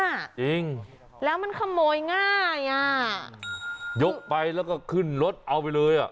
จริงแล้วมันขโมยง่ายอ่ะยกไปแล้วก็ขึ้นรถเอาไปเลยอ่ะ